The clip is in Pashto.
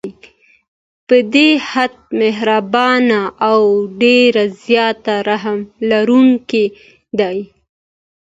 بې حده مهربان او ډير زيات رحم لرونکی دی